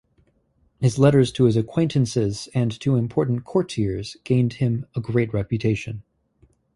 His letters to his acquaintances and to important courtiers gained him a great reputation.